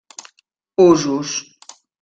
Usos: